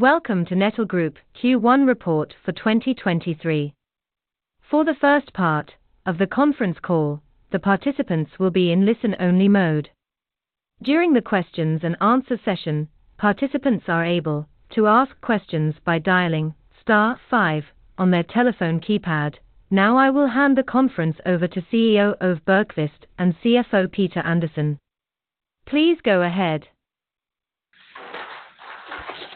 Welcome to Netel Group Q1 report for 2023. For the first part of the conference call, the participants will be in listen-only mode. During the questions and answer session, participants are able to ask questions by dialing star five on their telephone keypad. Now I will hand the conference over to CEO Ove Bergkvist and CFO Peter Andersson. Please go ahead.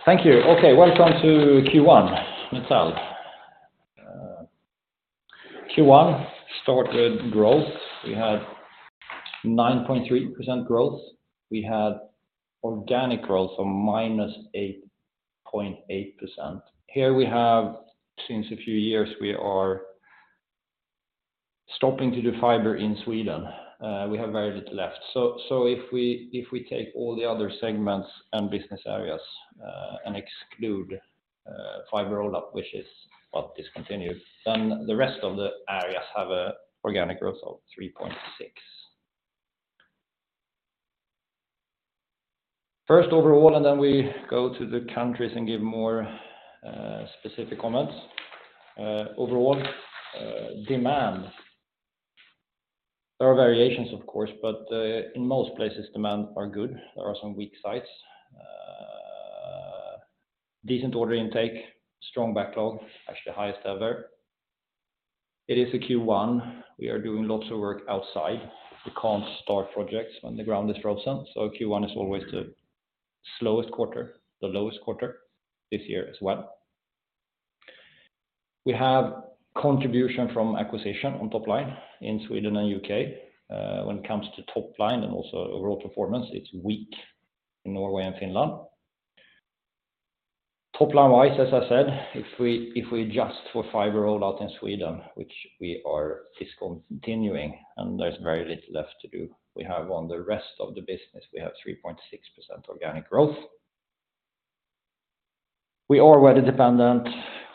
Thank you. Okay. Welcome to Q1, Netel. Q1 started growth. We had 9.3% growth. We had organic growth of -8.8%. Here we have, since a few years, we are stopping to do fiber in Sweden. We have very little left. If we take all the other segments and business areas and exclude fiber rollout, which is what discontinued, then the rest of the areas have a organic growth of 3.6%. First overall, and then we go to the countries and give more specific comments. Overall, demand. There are variations, of course, but in most places, demand are good. There are some weak sites. Decent order intake, strong backlog, actually highest ever. It is a Q1. We are doing lots of work outside. We can't start projects when the ground is frozen. Q1 is always the slowest quarter, the lowest quarter this year as well. We have contribution from acquisition on top line in Sweden and U.K. When it comes to top line and also overall performance, it's weak in Norway and Finland. Top line wise, as I said, if we adjust for fiber rollout in Sweden, which we are discontinuing and there's very little left to do, we have on the rest of the business, we have 3.6% organic growth. We are weather dependent.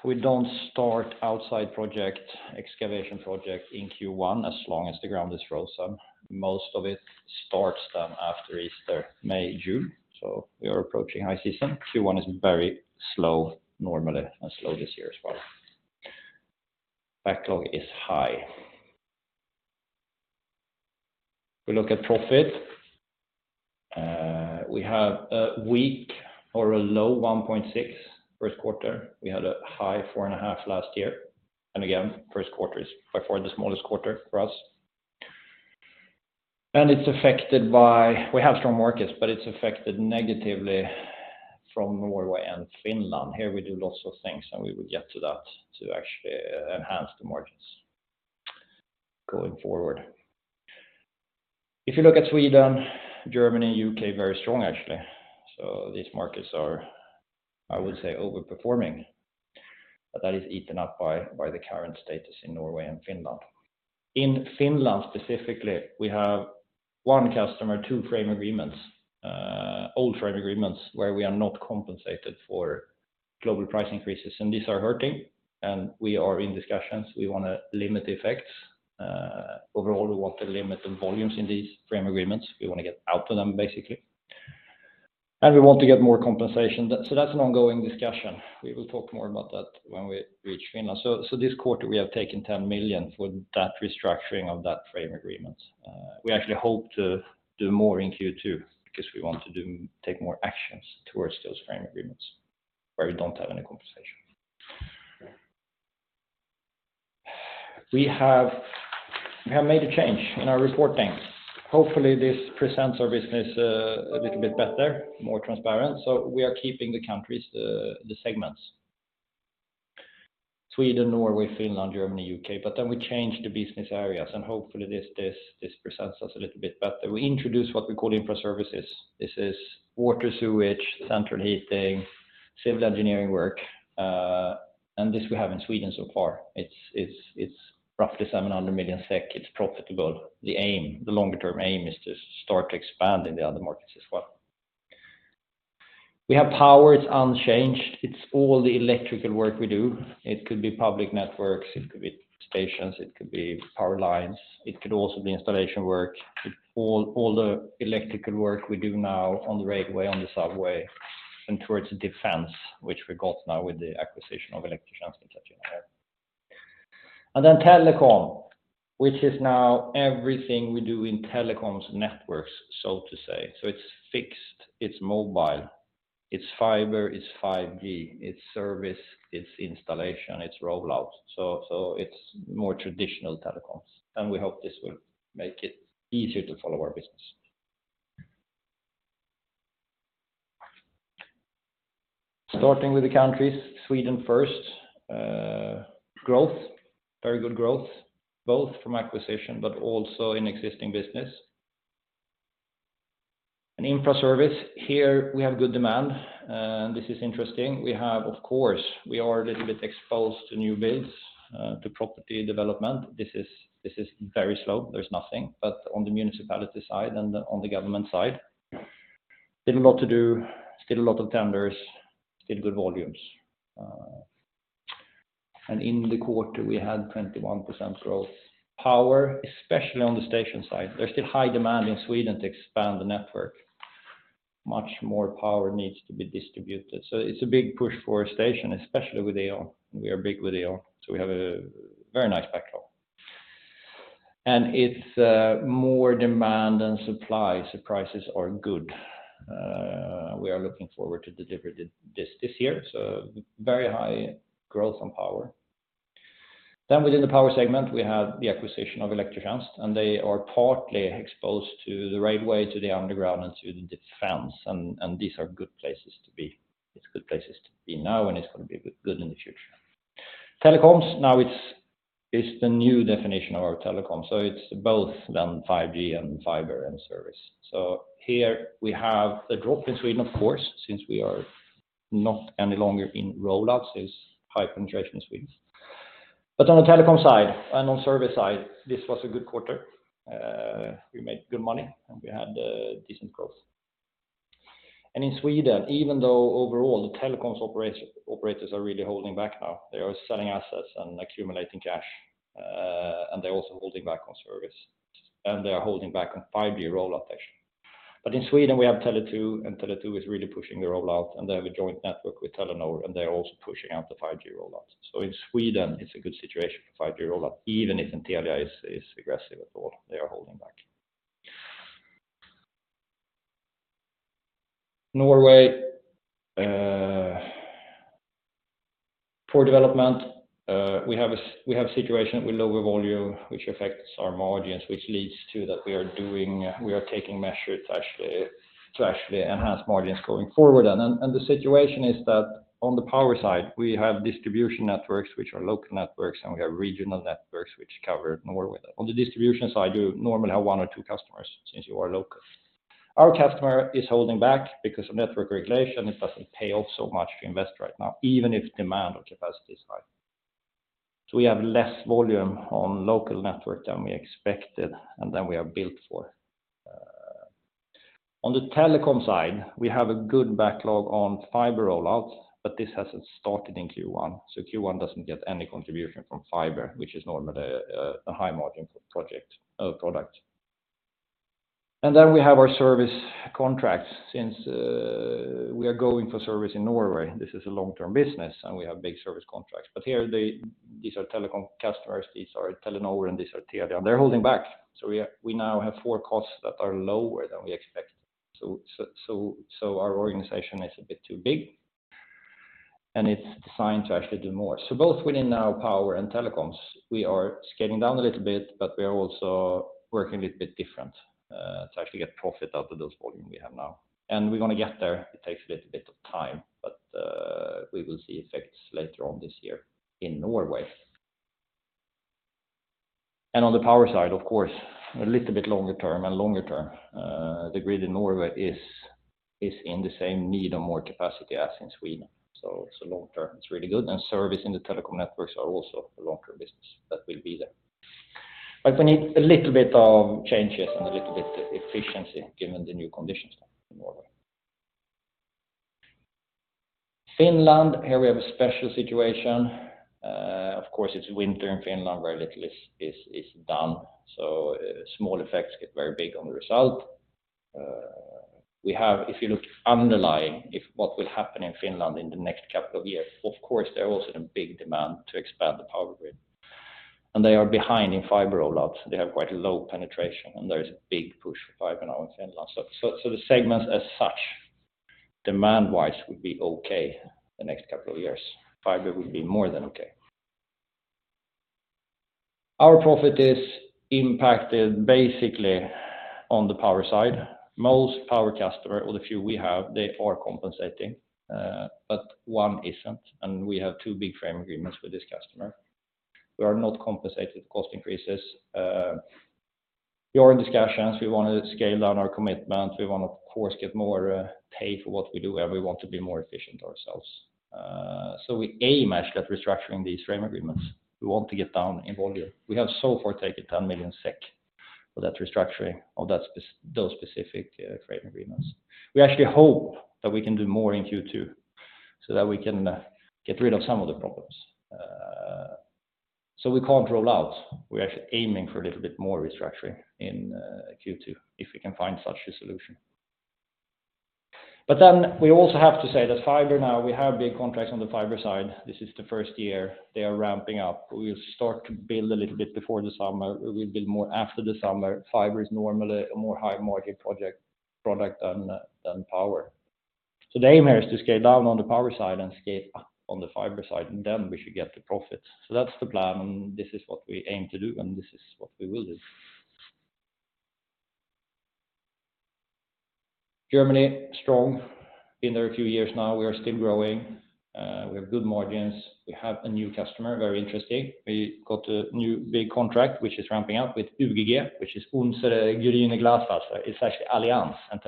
We don't start outside project, excavation project in Q1 as long as the ground is frozen. Most of it starts then after Easter, May, June. We are approaching high season. Q1 is very slow normally and slow this year as well. Backlog is high. We look at profit. We have a weak or a low 1.6% first quarter. We had a high 4.5% last year. Again, first quarter is by far the smallest quarter for us. We have strong markets, but it's affected negatively from Norway and Finland. Here we do lots of things, and we will get to that to actually enhance the margins going forward. If you look at Sweden, Germany, U.K., very strong, actually. These markets are, I would say, over-performing. That is eaten up by the current status in Norway and Finland. In Finland, specifically, we have 1 customer, 2 frame agreements, old frame agreements where we are not compensated for global price increases, and these are hurting, and we are in discussions. We wanna limit the effects. Overall, we want to limit the volumes in these frame agreements. We wanna get out of them, basically. We want to get more compensation. That's an ongoing discussion. We will talk more about that when we reach Finland. This quarter, we have taken 10 million for that restructuring of that frame agreement. We actually hope to take more actions towards those frame agreements where we don't have any compensation. We have made a change in our reporting. Hopefully, this presents our business a little bit better, more transparent. We are keeping the countries, the segments. Sweden, Norway, Finland, Germany, U.K. We change the business areas, and hopefully this presents us a little bit better. We introduce what we call Infra services. This is water sewage, central heating, civil engineering work. This we have in Sweden so far. It's roughly 700 million SEK. It's profitable. The longer-term aim is to start expanding the other markets as well. We have power, it's unchanged. It's all the electrical work we do. It could be public networks, it could be stations, it could be power lines, it could also be installation work. It's all the electrical work we do now on the railway, on the subway, and towards defense, which we got now with the acquisition of Elektrotjänst i Katrineholm Telecom, which is now everything we do in Telecom's networks, so to say. It's fixed, it's mobile, it's fiber, it's 5G, it's service, it's installation, it's rollout. So it's more traditional telecoms. We hope this will make it easier to follow our business. Starting with the countries, Sweden first. Growth, very good growth, both from acquisition but also in existing business. In Infra services, here we have good demand. This is interesting. We have, of course, we are a little bit exposed to new bids, to property development. This is very slow. There's nothing. On the municipality side and on the government side, still a lot to do, still a lot of tenders, still good volumes. In the quarter, we had 21% growth. Power, especially on the station side, there's still high demand in Sweden to expand the network. Much more power needs to be distributed. So it's a big push for station, especially with E.ON. We are big with E.ON, so we have a very nice backlog. It's more demand than supply, so prices are good. We are looking forward to deliver this year, very high growth on power. Within the power segment, we have the acquisition of Elektrotjänst i Katrineholm, they are partly exposed to the railway, to the underground and tunnels. These are good places to be. It's good places to be now, it's gonna be good in the future. Telecoms, now it's the new definition of our telecom. It's both done 5G and fiber and service. Here we have a drop in Sweden, of course, since we are not any longer in rollouts, it's high penetration in Sweden. On the telecom side and on service side, this was a good quarter. We made good money, we had decent growth. In Sweden, even though overall the telecoms operators are really holding back now, they are selling assets and accumulating cash, and they're also holding back on service, and they are holding back on 5G rollout actually. In Sweden, we have Tele2, and Tele2 is really pushing the rollout, and they have a joint network with Telenor, and they're also pushing out the 5G rollout. In Sweden, it's a good situation for 5G rollout, even if Intelia is aggressive at all. They are holding back. Norway, poor development. We have a situation with lower volume, which affects our margins, which leads to that we are taking measures to actually enhance margins going forward. The situation is that on the power side, we have distribution networks, which are local networks, and we have regional networks which cover Norway. On the distribution side, you normally have one or two customers since you are local. Our customer is holding back because of network regulation. It doesn't pay off so much to invest right now, even if demand or capacity is high. We have less volume on local network than we expected, and than we are built for. On the telecom side, we have a good backlog on fiber rollouts, but this hasn't started in Q1. Q1 doesn't get any contribution from fiber, which is normally a high margin product. We have our service contracts. Since we are going for service in Norway, this is a long-term business, and we have big service contracts. Here these are telecom customers. These are Telenor, these are Telia. They're holding back. We now have four costs that are lower than we expected. Our organization is a bit too big, and it's designed to actually do more. Both within our power and telecoms, we are scaling down a little bit, but we are also working a bit different to actually get profit out of those volume we have now. We're gonna get there. It takes a little bit of time, but we will see effects later on this year in Norway. On the power side, of course, a little bit longer term and longer term, the grid in Norway is in the same need of more capacity as in Sweden. It's a long term. It's really good. Service in the telecom networks are also a long-term business that will be there. We need a little bit of changes and a little bit efficiency given the new conditions in Norway. Finland, here we have a special situation. Of course, it's winter in Finland where little is done. Small effects get very big on the result. We have, if you look underlying, if what will happen in Finland in the next couple of years, of course, there is also a big demand to expand the power grid. They are behind in fiber rollouts. They have quite low penetration, and there's a big push for fiber now in Finland. The segments as such, demand-wise, would be okay the next couple of years. Fiber would be more than okay. Our profit is impacted basically on the power side. Most power customer, or the few we have, they are compensating, but one isn't. We have 2 big frame agreements with this customer who are not compensated cost increases. We are in discussions. We wanna scale down our commitment. We wanna, of course, get more pay for what we do, and we want to be more efficient ourselves. We aim actually at restructuring these frame agreements. We want to get down in volume. We have so far taken 10 million SEK for that restructuring of those specific frame agreements. We actually hope that we can do more in Q2 so that we can get rid of some of the problems. We can't roll out. We're actually aiming for a little bit more restructuring in Q2 if we can find such a solution. We also have to say that fiber now, we have big contracts on the fiber side. This is the first year they are ramping up. We'll start to build a little bit before the summer. We'll build more after the summer. Fiber is normally a more high-margin project, product than power. The aim here is to scale down on the power side and scale up on the fiber side, and then we should get the profits. That's the plan, and this is what we aim to do, and this is what we will do. Germany, strong. Been there a few years now. We are still growing. We have good margins. We have a new customer, very interesting. We got a new big contract which is ramping up with UGG, which is Unsere Grüne Glasfaser. It's actually Allianz and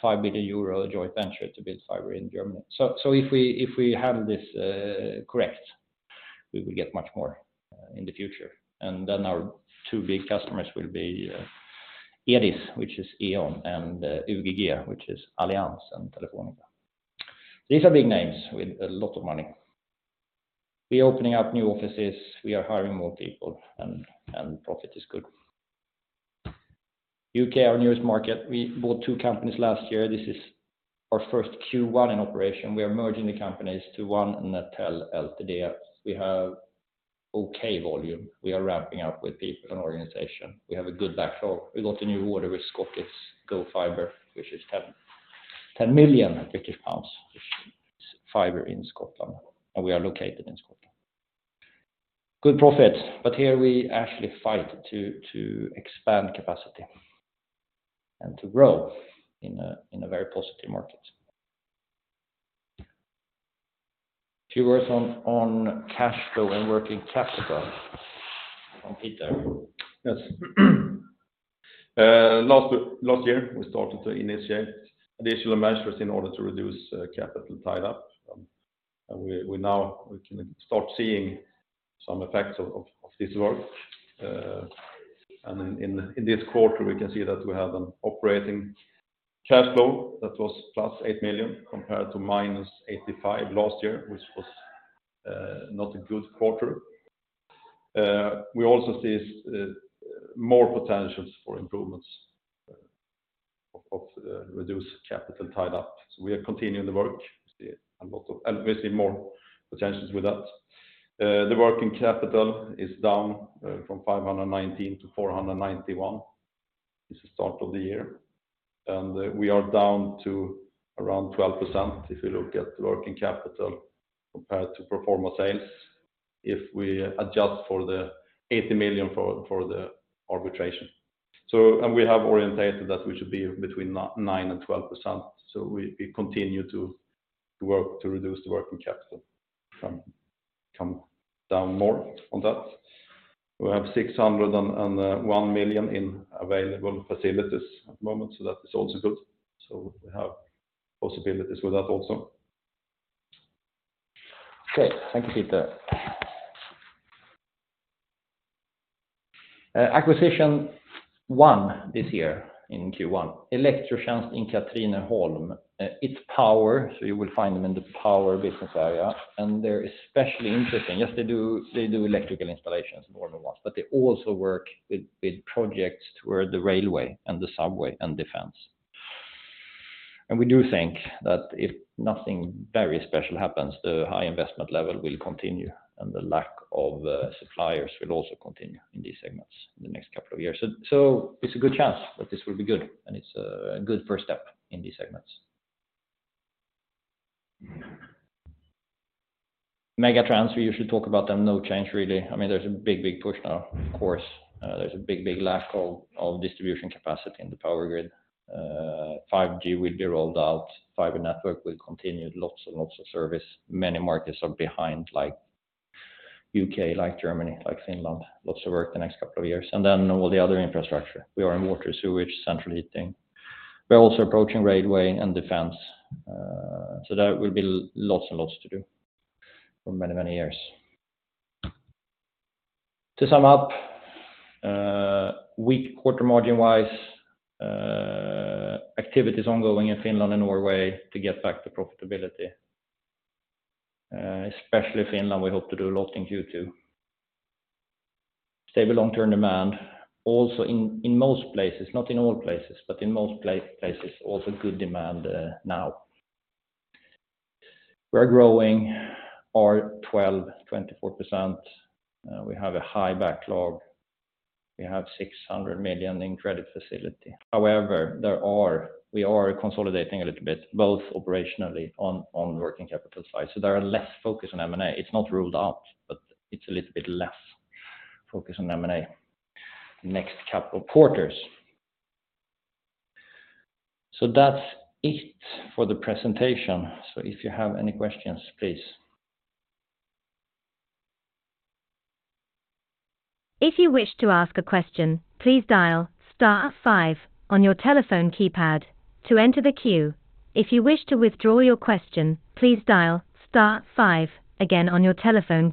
Telefónica, 5 billion euro joint venture to build fiber in Germany. If we, if we handle this correct, we will get much more in the future. Our two big customers will be E.DIS, which is E.ON, and UGG, which is Allianz and Telefónica. These are big names with a lot of money. We're opening up new offices, we are hiring more people and profit is good. U.K., our newest market, we bought two companies last year. This is our first Q1 in operation. We are merging the companies to one, Netel Ltd. We have OK volume. We are ramping up with people and organization. We have a good backlog. We got a new order with Scottish GoFibre, which is 10 million British pounds, which is fiber in Scotland, and we are located in Scotland. Good profit. Here we actually fight to expand capacity and to grow in a very positive market. A few words on cash flow and working capital from Peter. Yes. Last year, we started to initiate additional measures in order to reduce capital tied up. We now we can start seeing some effects of this work. In this quarter, we can see that we have an operating cash flow that was +8 million compared to -85 million last year, which was not a good quarter. We also see more potentials for improvements of reduced capital tied up. We are continuing the work. We see more potentials with that. The working capital is down from 519 million to 491 million this start of the year. We are down to around 12% if you look at the working capital compared to pro forma sales, if we adjust for the 80 million for the arbitration. We have orientated that we should be between 9% and 12%. We continue to work to reduce the working capital. Come down more on that. We have 601 million in available facilities at the moment, that is also good. We have possibilities with that also. Okay. Thank you, Peter. Acquisition 1 this year in Q1, Elektrotjänst i Katrineholm. It's power, you will find them in the power business area. They're especially interesting. Yes, they do electrical installations more than once. They also work with projects toward the railway and the subway and defense. We do think that if nothing very special happens, the high investment level will continue, the lack of suppliers will also continue in these segments in the next couple of years. It's a good chance that this will be good, it's a good first step in these segments. Megatrends, we usually talk about them. No change, really. I mean, there's a big push now. Of course, there's a big lack of distribution capacity in the power grid. 5G will be rolled out. Fiber network will continue. Lots and lots of service. Many markets are behind, like U.K., like Germany, like Finland. Lots of work the next couple of years. Then all the other infrastructure. We are in water, sewage, central heating. We're also approaching railway and defense. So there will be lots and lots to do for many, many years. To sum up, weak quarter margin-wise, activities ongoing in Finland and Norway to get back to profitability. Especially Finland, we hope to do a lot in Q2. Stable long-term demand also in most places, not in all places, but in most places, also good demand, now. We are growing R12, 24%. We have a high backlog. We have 600 million SEK in credit facility. However, we are consolidating a little bit, both operationally on working capital side. There are less focus on M&A. It's not ruled out, but it's a little bit less focus on M&A next couple quarters. That's it for the presentation. If you have any questions, please. If you wish to ask a question, please dial star five on your telephone keypad to enter the queue. If you wish to withdraw your question, please dial star five again on your telephone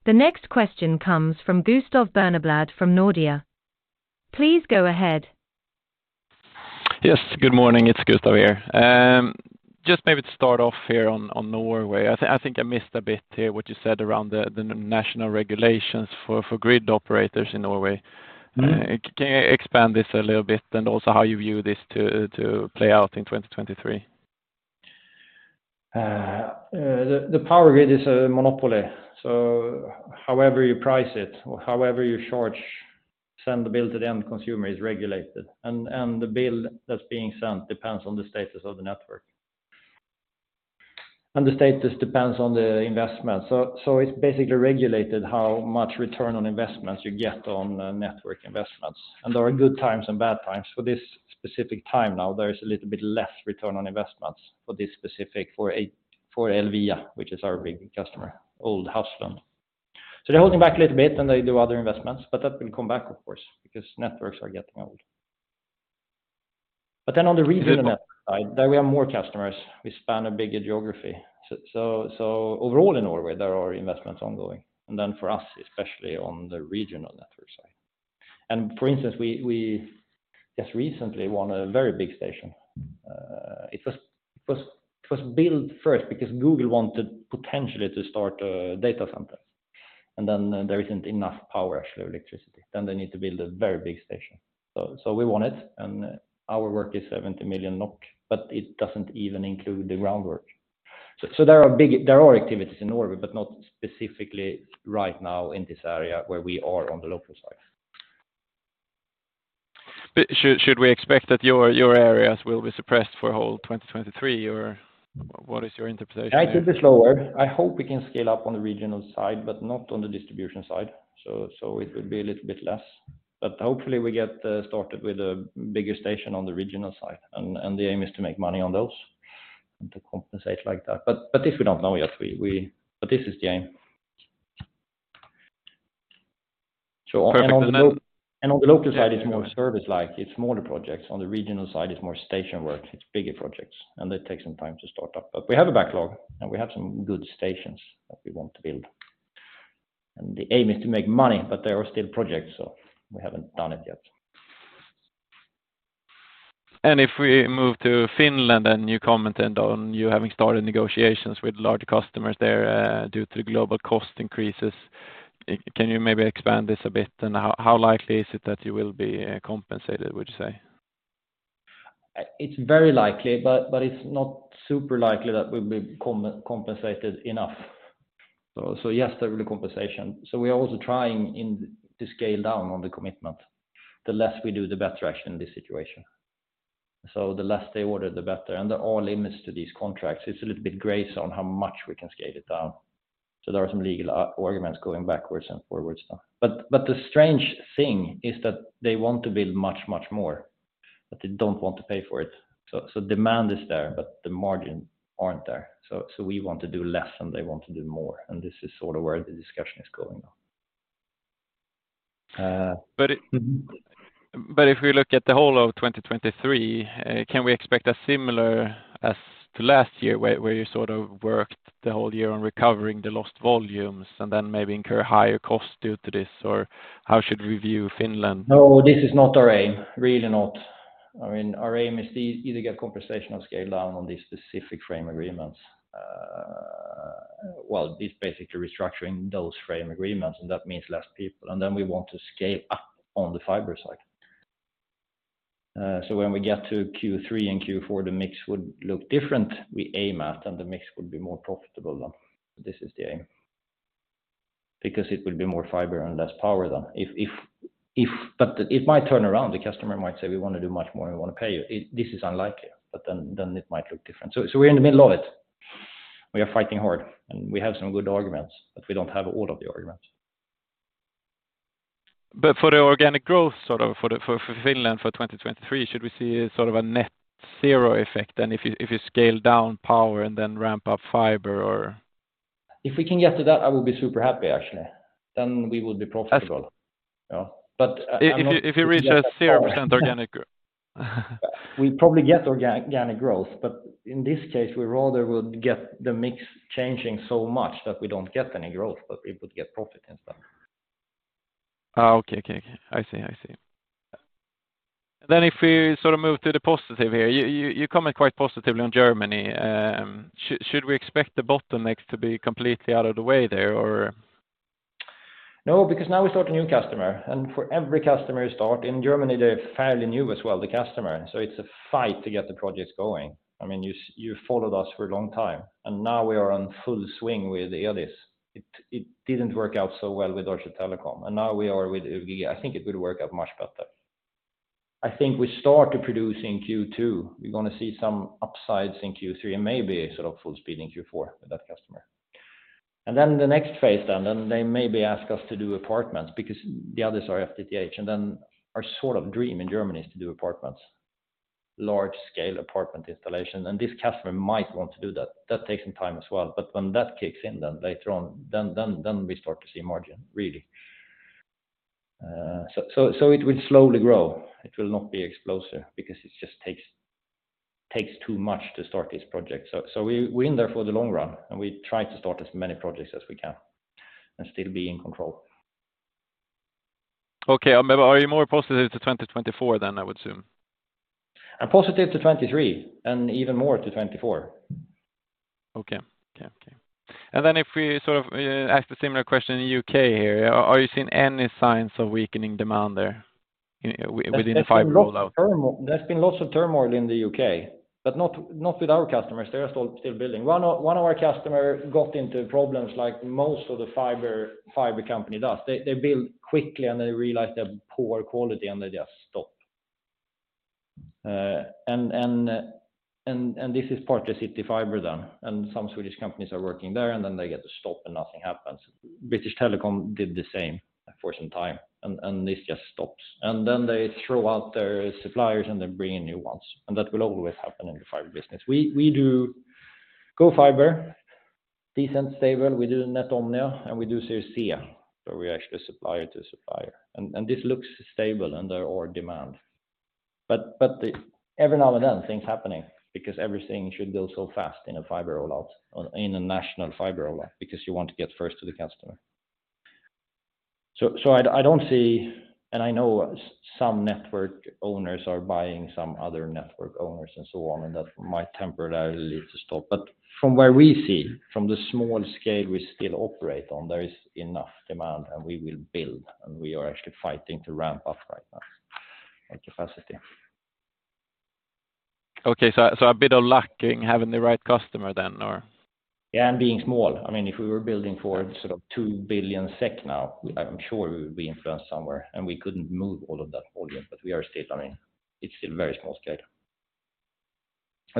keypad. The next question comes from Gustav Berneblad from Nordea. Please go ahead. Yes. Good morning, it's Gustav here. Just maybe to start off here on Norway. I think I missed a bit here what you said around the national regulations for grid operators in Norway. Mm-hmm. Can you expand this a little bit and also how you view this to play out in 2023? The power grid is a monopoly, however you price it or however you charge, send the bill to the end consumer is regulated. The bill that's being sent depends on the status of the network. The status depends on the investment. It's basically regulated how much return on investments you get on network investments. There are good times and bad times. For this specific time now, there is a little bit less return on investments for this specific, for Elvia, which is our big customer, old Hafslund. They're holding back a little bit, and they do other investments, that will come back of course, because networks are getting old. On the regional network side, there we have more customers. We span a bigger geography. Overall in Norway, there are investments ongoing, for us, especially on the regional network side. For instance, we just recently won a very big station. It was built first because Google wanted potentially to start a data center. There isn't enough power, actually, electricity, then they need to build a very big station. We won it, and our work is 70 million NOK, but it doesn't even include the groundwork. There are activities in Norway, but not specifically right now in this area where we are on the local side. Should we expect that your areas will be suppressed for whole 2023, or what is your interpretation there? I think it's lower. I hope we can scale up on the regional side, but not on the distribution side. It will be a little bit less. Hopefully we get started with a bigger station on the regional side and the aim is to make money on those and to compensate like that. This we don't know yet. We... This is the aim. Perfect. On the local side, it's more service like. It's smaller projects. On the regional side, it's more station work, it's bigger projects, and it takes some time to start up. We have a backlog, and we have some good stations that we want to build. The aim is to make money, but they are still projects, so we haven't done it yet. If we move to Finland, and you commented on you having started negotiations with larger customers there, due to global cost increases. Can you maybe expand this a bit? How likely is it that you will be compensated, would you say? It's very likely, but it's not super likely that we'll be compensated enough. Yes, there will be compensation. We are also trying in to scale down on the commitment. The less we do, the better actually in this situation. The less they order, the better. There are limits to these contracts. It's a little bit gray zone how much we can scale it down. There are some legal arguments going backwards and forwards now. The strange thing is that they want to build much, much more, but they don't want to pay for it. Demand is there, but the margin aren't there. We want to do less, and they want to do more. This is sort of where the discussion is going on. But it- Mm-hmm. If we look at the whole of 2023, can we expect a similar as to last year where you sort of worked the whole year on recovering the lost volumes and then maybe incur higher costs due to this? How should we view Finland? No, this is not our aim. Really not. I mean, our aim is to either get compensation or scale down on these specific frame agreements. Well, it's basically restructuring those frame agreements, and that means less people. We want to scale up on the fiber side. When we get to Q3 and Q4, the mix would look different, we aim at, and the mix would be more profitable then. This is the aim. Because it will be more fiber and less power then. If it might turn around, the customer might say, "We want to do much more, and we want to pay you." This is unlikely, but then it might look different. We're in the middle of it. We are fighting hard, and we have some good arguments, but we don't have all of the arguments. for the organic growth, sort of for the, for Finland for 2023, should we see sort of a net zero effect then if you, if you scale down power and then ramp up fiber or? If we can get to that, I will be super happy, actually. We will be profitable. As- Yeah. If you reach a 0% organic. We probably get organic growth. In this case, we rather would get the mix changing so much that we don't get any growth. We would get profit instead. Oh, okay. I see. Yeah. If we sort of move to the positive here, you comment quite positively on Germany. Should we expect the bottom mix to be completely out of the way there or? No, because now we start a new customer, and for every customer you start, in Germany, they're fairly new as well, the customer. It's a fight to get the projects going. I mean, you followed us for a long time, now we are on full swing with E.ON. It didn't work out so well with Orange Telecom, now we are with E.ON. I think it will work out much better. I think we start to produce in Q2. We're gonna see some upsides in Q3 and maybe sort of full speed in Q4 with that customer. The next phase, then they maybe ask us to do apartments because the others are FTTH, our sort of dream in Germany is to do apartments, large-scale apartment installation. This customer might want to do that. That takes some time as well. When that kicks in, then later on, then we start to see margin, really. It will slowly grow. It will not be explosive because it just takes too much to start this project. We're in there for the long run, and we try to start as many projects as we can and still be in control. Are you more positive to 2024 then, I would assume? I'm positive to 2023 and even more to 2024. Okay. If we sort of ask the similar question in U.K. here, are you seeing any signs of weakening demand there within the fiber rollout? There's been lots of turmoil in the U.K., but not with our customers. They're still building. One of our customer got into problems like most of the fiber company does. They build quickly, and they realize they're poor quality, and they just stop. This is partly CityFibre then, and some Swedish companies are working there, and then they get to stop, and nothing happens. British Telecom did the same for some time, this just stops. Then they throw out their suppliers, and they bring in new ones, and that will always happen in the fiber business. We do GoFibre-Decent, stable. We do NetCom now and we do Sirisia, so we actually supplier to supplier. This looks stable under our demand. Every now and then things happening because everything should go so fast in a fiber rollout, or in a national fiber rollout, because you want to get first to the customer. I don't see, and I know some network owners are buying some other network owners and so on, and that might temporarily lead to stop. From where we see, from the small scale we still operate on, there is enough demand, and we will build, and we are actually fighting to ramp up right now at capacity. Okay. A bit of luck in having the right customer then or? Yeah, being small. I mean, if we were building for sort of 2 billion SEK now, I'm sure we would be influenced somewhere, and we couldn't move all of that volume. We are still running. It's still very small scale.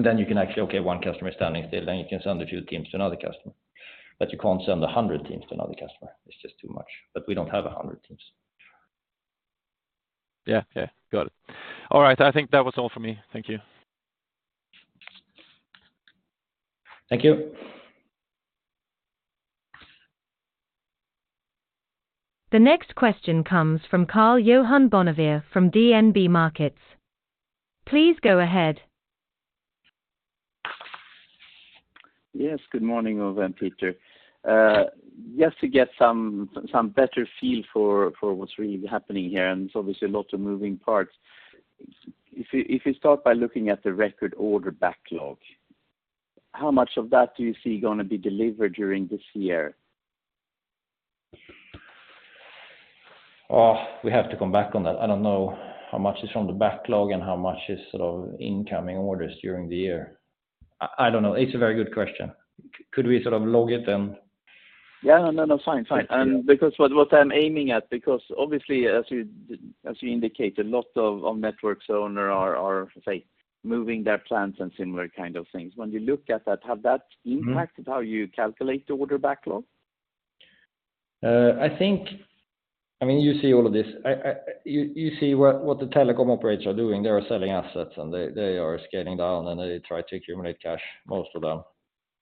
Then you can actually, okay, one customer is standing still, then you can send a few teams to another customer. You can't send 100 teams to another customer. It's just too much. We don't have 100 teams. Yeah. Yeah. Got it. All right. I think that was all for me. Thank you. Thank you. The next question comes from Karl-Johan Bonnevier from DNB Markets. Please go ahead. Yes, good morning, Ove and Peter. Just to get some better feel for what's really happening here, and there's obviously a lot of moving parts. If you start by looking at the record order backlog, how much of that do you see gonna be delivered during this year? Oh, we have to come back on that. I don't know how much is from the backlog and how much is sort of incoming orders during the year. I don't know. It's a very good question. Could we sort of log it and- Yeah. No, no. Fine. Fine. Yeah. Because what I'm aiming at, because obviously, as you indicated, lots of networks owner are, say, moving their plans and similar kind of things. When you look at that, have that impacted how you calculate the order backlog? I think I mean, you see all of this. You see what the telecom operators are doing. They are selling assets, and they are scaling down, and they try to accumulate cash, most of them.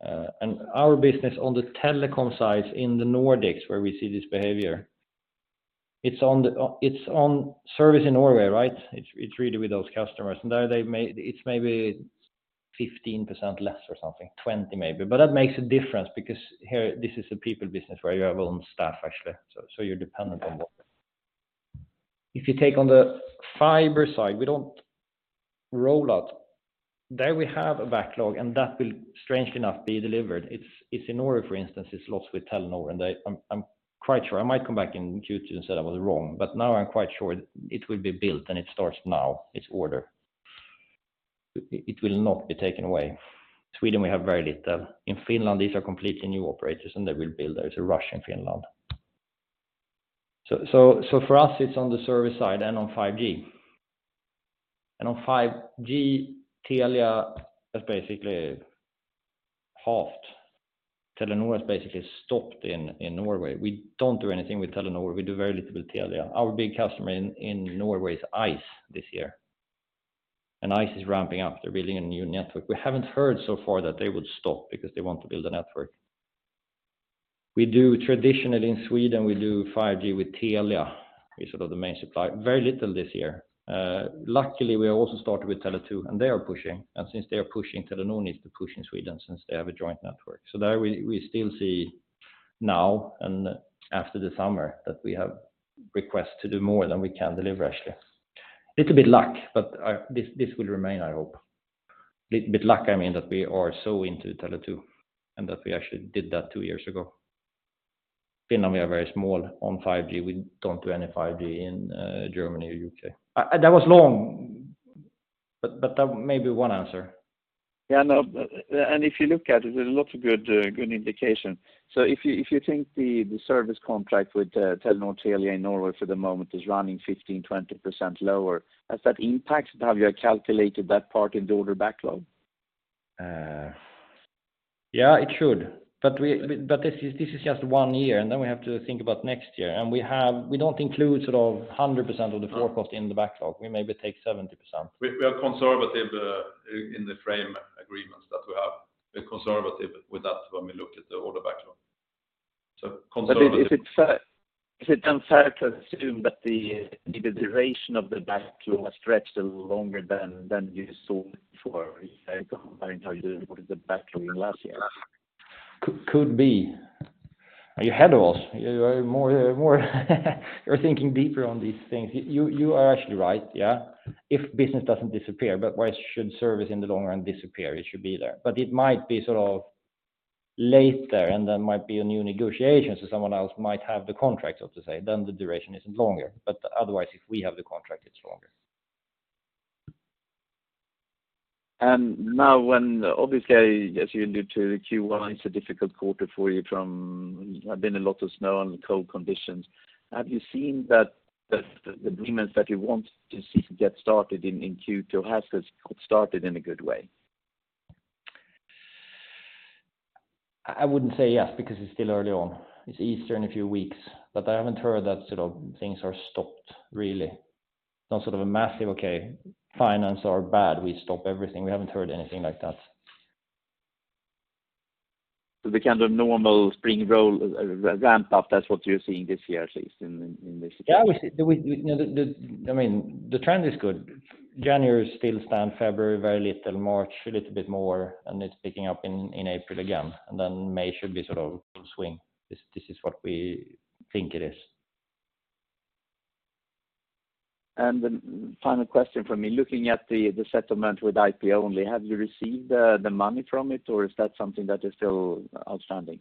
Our business on the telecom side in the Nordics, where we see this behavior, it's on service in Norway, right? It's really with those customers. There it's maybe 15% less or something, 20 maybe. That makes a difference because here, this is a people business where you have your own staff, actually. You're dependent on both. If you take on the fiber side, we don't roll out. There we have a backlog, and that will, strangely enough, be delivered. It's in Norway, for instance, it's lots with Telenor, and I'm quite sure. I might come back in Q2 and say I was wrong, but now I'm quite sure it will be built and it starts now, its order. It will not be taken away. Sweden, we have very little. In Finland, these are completely new operators, and they will build. There's a rush in Finland. For us, it's on the service side and on 5G. On 5G, Telia has basically halved. Telenor has basically stopped in Norway. We don't do anything with Telenor. We do very little with Telia. Our big customer in Norway is ICE this year. ICE is ramping up. They're building a new network. We haven't heard so far that they would stop because they want to build a network. We do traditionally in Sweden, we do 5G with Telia. We're sort of the main supplier. Very little this year. Luckily, we also started with Tele2, and they are pushing. Since they are pushing, Telenor needs to push in Sweden since they have a joint network. There we still see now and after the summer that we have requests to do more than we can deliver, actually. Little bit luck, but this will remain, I hope. Little bit luck, I mean, that we are so into Tele2 and that we actually did that two years ago. Finland, we are very small on 5G. We don't do any 5G in Germany or UK. That was long, but that may be one answer. Yeah, no. If you look at it, there's lots of good indication. If you, if you think the service contract with Telenor, Telia in Norway for the moment is running 15%-20% lower, has that impacted how you have calculated that part in the order backlog? Yeah, it should. We, this is just one year, and then we have to think about next year. We don't include sort of 100% of the forecast in the backlog. We maybe take 70%. We are conservative in the frame agreements that we have. We're conservative with that when we look at the order backlog. Is it fair, is it then fair to assume that the duration of the backlog stretched a little longer than you saw before comparing to how you reported the backlog in last year? Could be. Are you ahead of us? You are more you're thinking deeper on these things. You are actually right, yeah. If business doesn't disappear, why should service in the long run disappear? It should be there. It might be sort of later, and there might be a new negotiation, so someone else might have the contract, so to say, then the duration isn't longer. Otherwise, if we have the contract, it's longer. Now when obviously, as you allude to, Q1 is a difficult quarter for you from there been a lot of snow and cold conditions. Have you seen that the agreements that you want to see to get started in Q2 has got started in a good way? I wouldn't say yes because it's still early on. It's Easter in a few weeks. I haven't heard that sort of things are stopped, really. Some sort of a massive, okay, finance are bad, we stop everything. We haven't heard anything like that. The kind of normal spring roll, ramp up, that's what you're seeing this year, at least in this situation. We You know, the I mean, the trend is good. January still stand, February very little, March a little bit more, it's picking up in April again. May should be sort of full swing. This is what we think it is. The final question from me, looking at the settlement with IP-Only, have you received the money from it, or is that something that is still outstanding?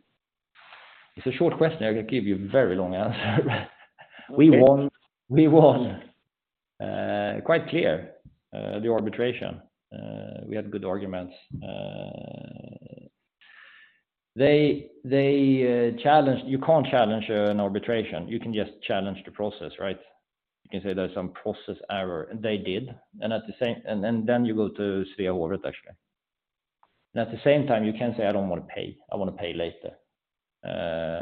It's a short question. I can give you a very long answer. Okay. We won quite clear the arbitration. We had good arguments. They challenged. You can't challenge an arbitration. You can just challenge the process, right? You can say there's some process error. They did. Then you go to Svea Hovrätt, actually. At the same time, you can't say, "I don't want to pay. I want to pay later."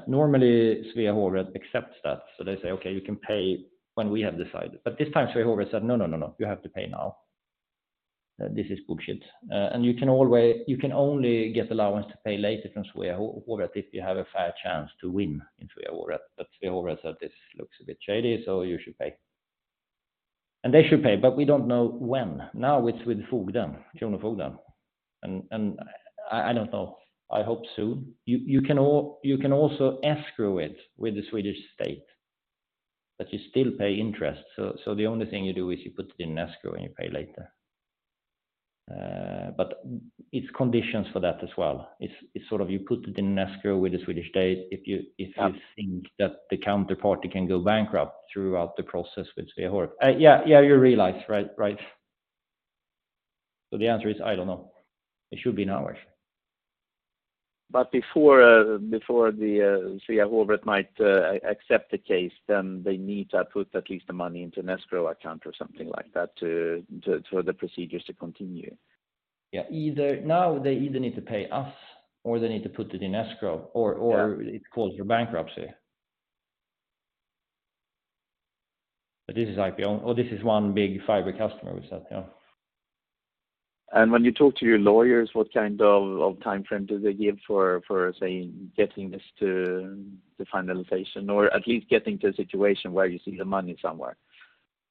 Normally, Svea Hovrätt accepts that, so they say, "Okay, you can pay when we have decided." This time, Svea Hovrätt said, "No, no, no, you have to pay now. This is bullshit." You can only get allowance to pay later from Svea Hovrätt if you have a fair chance to win in Svea Hovrätt. Svea Hovrätt said, "This looks a bit shady, so you should pay." They should pay, but we don't know when. Now it's with Fogden, Tjona Fogden. I don't know. I hope soon. You can also escrow it with the Swedish state, but you still pay interest. The only thing you do is you put it in escrow, and you pay later. It's conditions for that as well. It's sort of you put it in escrow with the Swedish state if you- Yeah... if you think that the counterparty can go bankrupt throughout the process with Svea Hovrätt. Yeah, you realize, right? Right. The answer is, I don't know. It should be an hour. Before the Svea Hovrätt might accept the case, then they need to put at least the money into an escrow account or something like that to, for the procedures to continue. Yeah. Now, they either need to pay us, or they need to put it in escrow, or- Yeah or it calls for bankruptcy. This is 1 big fiber customer we said, you know. When you talk to your lawyers, what kind of timeframe do they give for, say, getting this to the finalization or at least getting to a situation where you see the money somewhere?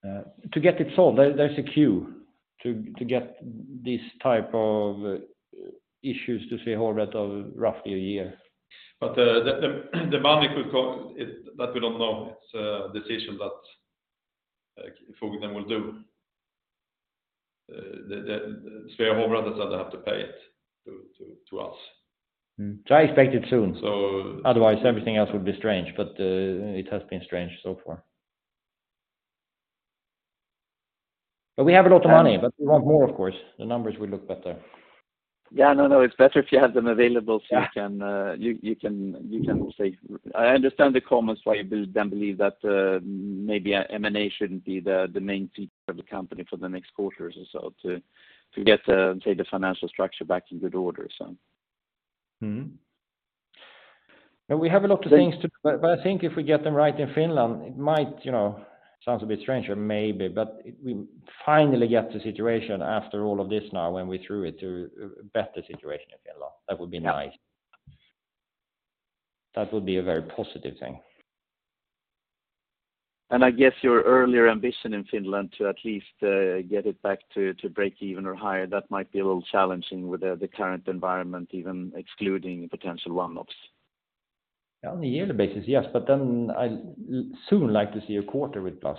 To get it solved, there's a queue to get these type of issues to Svea Hovrätt of roughly a year. The money could come. That we don't know. It's a decision that, like, Fogden will do. The Svea Hovrätt has said they have to pay it to us. Mm-hmm. I expect it soon. So- Otherwise, everything else would be strange. It has been strange so far. We have a lot of money, but we want more, of course. The numbers will look better. Yeah, no, it's better if you have them available. Yeah You can say, "I understand the comments, why you build, then believe that, maybe, M&A shouldn't be the main feature of the company for the next quarters or so to get, say, the financial structure back in good order," so. we have a lot of things to. But I think if we get them right in Finland, it might, you know, sounds a bit strange or maybe, but we finally get the situation after all of this now when we threw it to a better situation in Finland. That would be nice. Yeah. That would be a very positive thing. I guess your earlier ambition in Finland to at least get it back to break even or higher, that might be a little challenging with the current environment, even excluding potential one-offs. On a yearly basis, yes. I soon like to see a quarter with plus.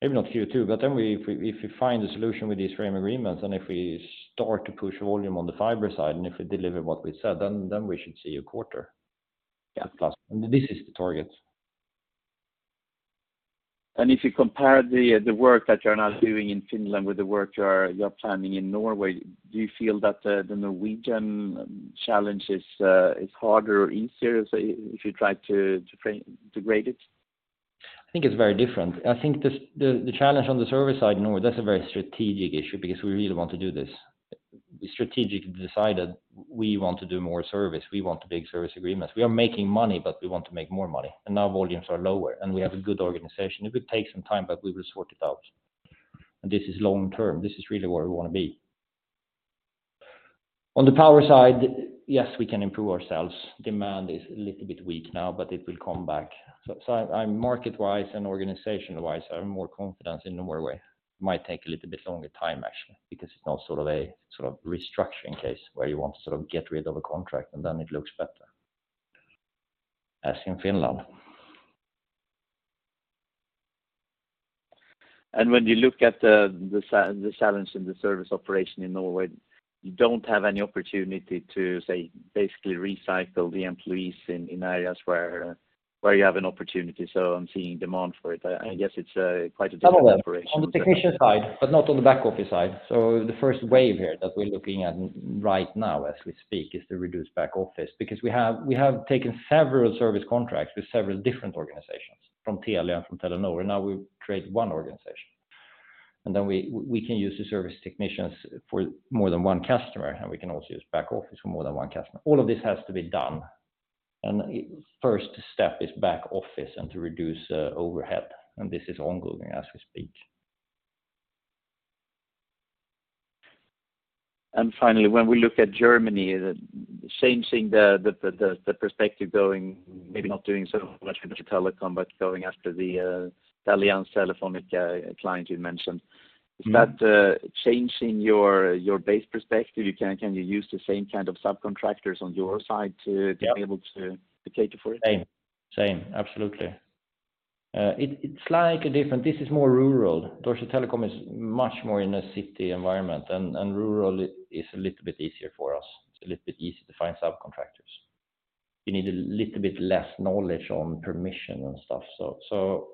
Maybe not Q2, we, if we find a solution with these frame agreements, and if we start to push volume on the fiber side, and if we deliver what we said, then we should see a quarter. Yeah... plus. This is the target. If you compare the work that you're now doing in Finland with the work you're planning in Norway, do you feel that the Norwegian challenge is harder or easier, say, if you try to grade it? I think it's very different. I think the challenge on the service side in Norway, that's a very strategic issue because we really want to do this. We strategically decided we want to do more service. We want the big service agreements. We are making money, but we want to make more money. Now volumes are lower, and we have a good organization. It could take some time, but we will sort it out. This is long term. This is really where we wanna be. On the power side, yes, we can improve ourselves. Demand is a little bit weak now, but it will come back. I'm market-wise and organization-wise, I have more confidence in Norway. It might take a little bit longer time, actually, because it's not sort of a restructuring case where you want to sort of get rid of a contract and then it looks better, as in Finland. When you look at the challenge in the service operation in Norway, you don't have any opportunity to, say, basically recycle the employees in areas where you have an opportunity. I'm seeing demand for it. I guess it's quite a different operation. On the technician side, but not on the back office side. The first wave here that we're looking at right now as we speak is to reduce back office. We have taken several service contracts with several different organizations, from Telia and from Telenor, and now we've created one organization. Then we can use the service technicians for more than one customer, and we can also use back office for more than one customer. All of this has to be done. The first step is back office and to reduce overhead, and this is ongoing as we speak. Finally, when we look at Germany, the same thing, the perspective going, maybe not doing so much with Deutsche Telekom, but going after the Telia and Telefónica client you mentioned. Mm-hmm. Is that changing your base perspective? Can you use the same kind of subcontractors on your side? Yeah. -be able to cater for it? Same. Same. Absolutely. It's slightly different. This is more rural. Deutsche Telekom is much more in a city environment and rural is a little bit easier for us. It's a little bit easier to find subcontractors. You need a little bit less knowledge on permission and stuff, so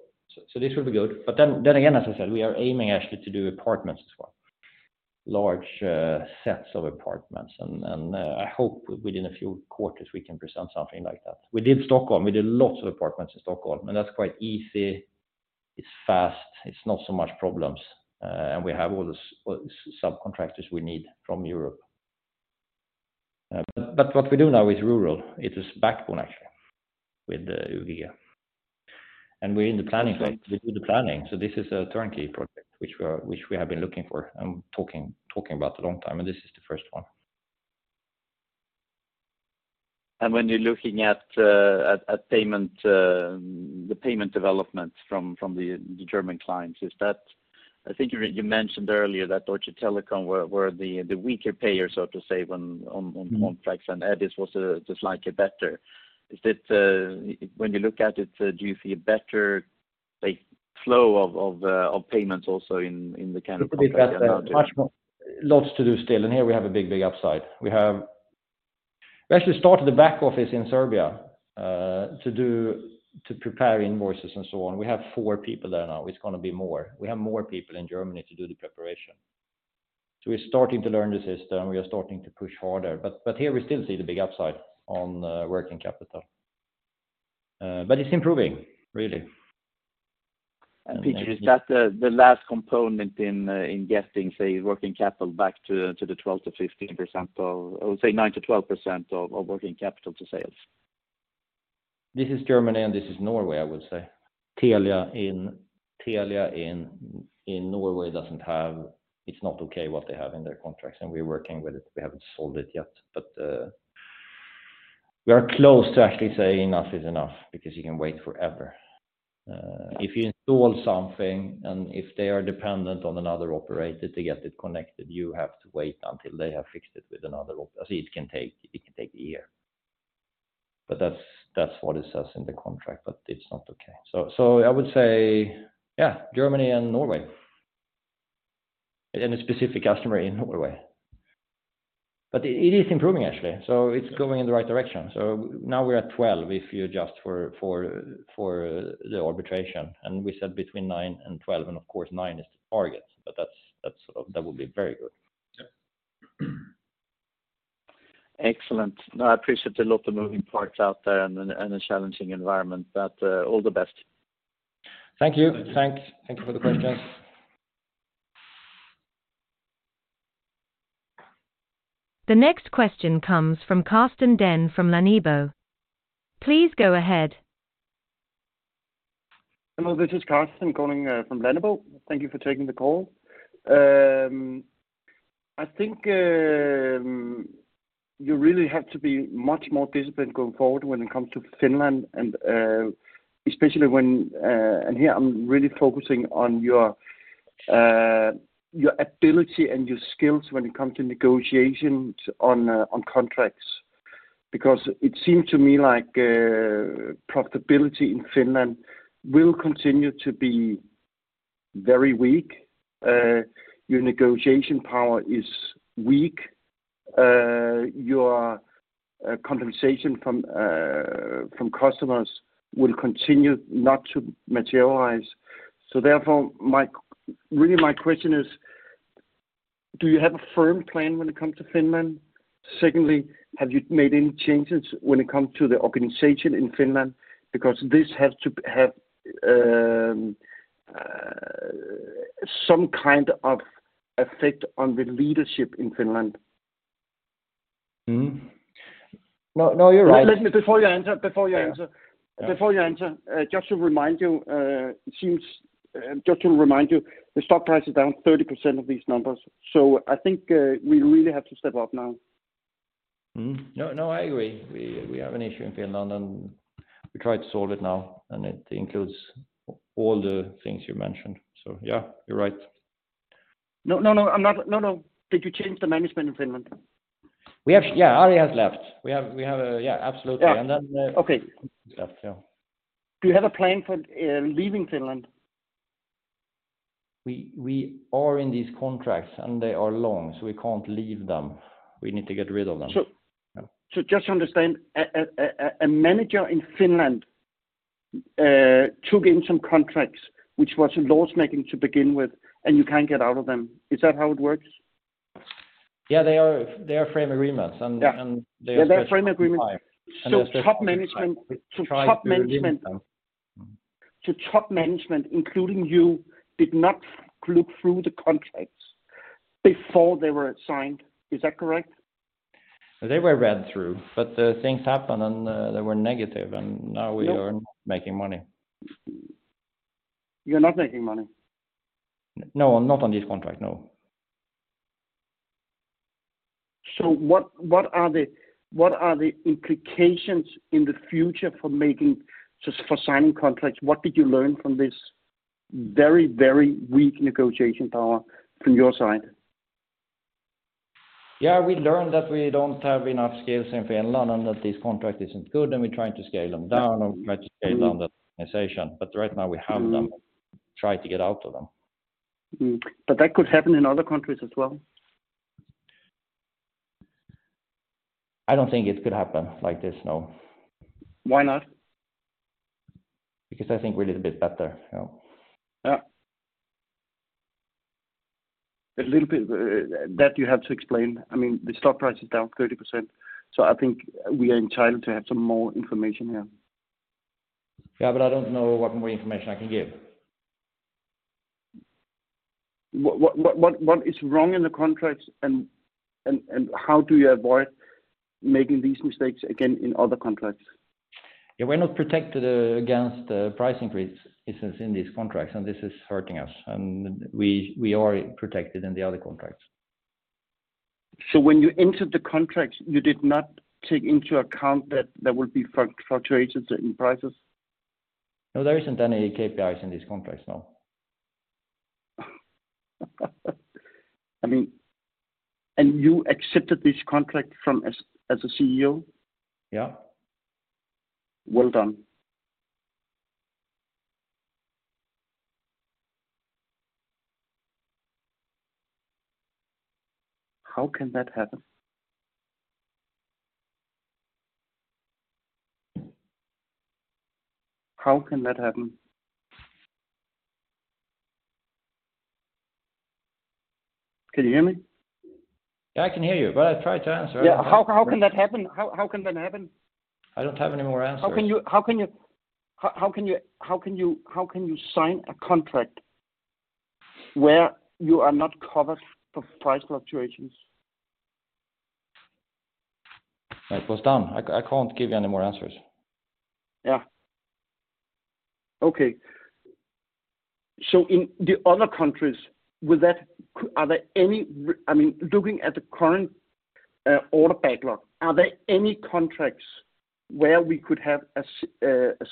this will be good. Again, as I said, we are aiming actually to do apartments as well, large sets of apartments. I hope within a few quarters we can present something like that. We did Stockholm. We did lots of apartments in Stockholm, and that's quite easy. It's fast. It's not so much problems. We have all the subcontractors we need from Europe. What we do now is rural. It is backbone, actually, with the Uvia. We're in the planning phase. Okay. We do the planning. This is a turnkey project which we have been looking for and talking about a long time, and this is the first one. When you're looking at payment, the payment development from the German clients, is that I think you mentioned earlier that Deutsche Telekom were the weaker payer, so to say, when on Flex? Mm-hmm. E.DIS was slightly better. Is it, when you look at it, do you feel better, say, flow of payments also in the kind of contract amount? Lots to do still. Here we have a big, big upside. We actually started the back office in Serbia to do, to prepare invoices and so on. We have four people there now. It's gonna be more. We have more people in Germany to do the preparation. We're starting to learn the system, we are starting to push harder. Here we still see the big upside on working capital. It's improving, really. Peter, is that the last component in getting, say, working capital back to the 12%-15% of, I would say 9%-12% of working capital to sales? This is Germany, this is Norway, I would say. Telia in Norway doesn't have. It's not okay what they have in their contracts, we're working with it. We haven't solved it yet. We are close to actually saying enough is enough because you can wait forever. If you install something and if they are dependent on another operator to get it connected, you have to wait until they have fixed it with another op. See, it can take a year. That's what it says in the contract, but it's not okay. I would say, yeah, Germany and Norway. A specific customer in Norway. It is improving actually, so it's going in the right direction. Now we're at 12 if you adjust for the arbitration. We said between 9 and 12. Of course, 9 is the target. That's, that would be very good. Yep. Excellent. No, I appreciate a lot of moving parts out there and a challenging environment. All the best. Thank you. Thanks. Thank you for the questions. The next question comes from Carsten Dehn from Lannebo. Please go ahead. Hello, this is Carsten calling from Lannebo. Thank you for taking the call. I think you really have to be much more disciplined going forward when it comes to Finland and especially when here I'm really focusing on your ability and your skills when it comes to negotiations on contracts. It seems to me like profitability in Finland will continue to be very weak. Your negotiation power is weak. Your compensation from customers will continue not to materialize. Therefore, really my question is, do you have a firm plan when it comes to Finland? Secondly, have you made any changes when it comes to the organization in Finland? This has to have some kind of effect on the leadership in Finland. No, you're right. Let me, before you answer. Yeah. Before you answer, just to remind you, it seems, just to remind you, the stock price is down 30% of these numbers. I think, we really have to step up now. No, I agree. We have an issue in Finland, and we try to solve it now, and it includes all the things you mentioned. Yeah, you're right. No, I'm not. No. Did you change the management in Finland? We have, yeah, Ari has left. We have a... Yeah, absolutely. Yeah. Then. Okay. Yeah. Do you have a plan for leaving Finland? We are in these contracts, and they are long, so we can't leave them. We need to get rid of them. Just to understand, a manager in Finland took in some contracts which was loss-making to begin with, and you can't get out of them. Is that how it works? Yeah, they are frame agreements. Yeah. And they- They're frame agreements. Five. Top management- We try to redeem them. Top management, including you, did not look through the contracts before they were signed. Is that correct? They were read through, but things happened and they were negative, and now we are making money. You're not making money. No, not on this contract, no. What are the implications in the future for making, just for signing contracts? What did you learn from this very, very weak negotiation power from your side? Yeah, we learned that we don't have enough scales in Finland and that this contract isn't good, and we're trying to scale them down and try to scale down the organization. Right now we have them, try to get out of them. That could happen in other countries as well. I don't think it could happen like this, no. Why not? I think we're a little bit better. Yeah. Yeah. A little bit, that you have to explain. I mean, the stock price is down 30%. I think we are entitled to have some more information here. Yeah, I don't know what more information I can give. What is wrong in the contracts and how do you avoid making these mistakes again in other contracts? We're not protected against price increases in these contracts, and this is hurting us. We are protected in the other contracts. When you entered the contract, you did not take into account that there will be fluctuations in prices? No, there isn't any KPIs in this contract, no. I mean, you accepted this contract from as a CEO? Yeah. Well done. How can that happen? Can you hear me? Yeah, I can hear you, but I tried to answer. Yeah. How can that happen? How can that happen? I don't have any more answers. How can you sign a contract where you are not covered for price fluctuations? It was done. I can't give you any more answers. Yeah. Okay. In the other countries, I mean, looking at the current order backlog, are there any contracts where we could have a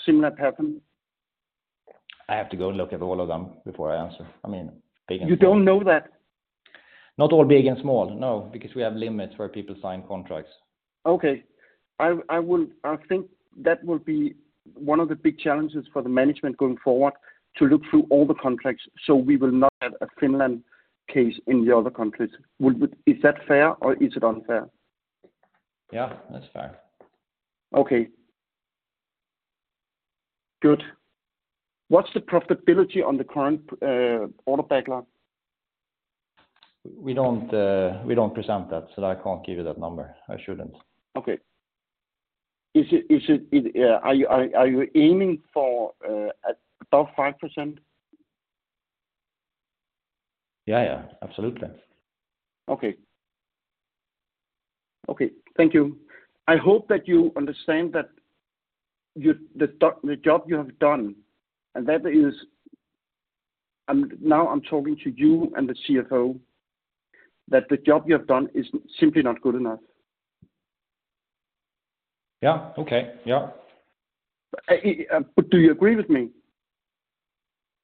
similar pattern? I have to go and look at all of them before I answer. I mean. You don't know that? Not all big and small. No, because we have limits where people sign contracts. Okay. I think that would be one of the big challenges for the management going forward to look through all the contracts so we will not have a Finland case in the other countries. Is that fair or is it unfair? Yeah, that's fair. Okay. Good. What's the profitability on the current order backlog? We don't, we don't present that. I can't give you that number. I shouldn't. Okay. Are you aiming for above 5%? Yeah, yeah, absolutely. Okay. Okay, thank you. I hope that you understand that the job you have done, and that is... Now I'm talking to you and the CFO, that the job you have done is simply not good enough. Yeah. Okay. Yeah. Do you agree with me?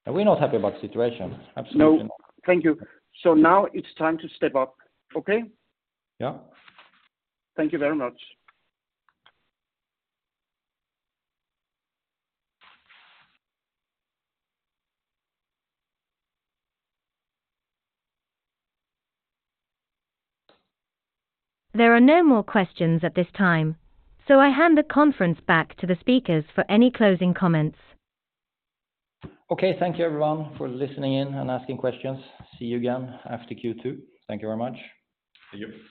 We're not happy about the situation. Absolutely. No. Thank you. Now it's time to step up. Okay? Yeah. Thank you very much. There are no more questions at this time. I hand the conference back to the speakers for any closing comments. Okay. Thank you everyone for listening in and asking questions. See you again after Q2. Thank you very much. Thank you.